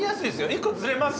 １個ずれます？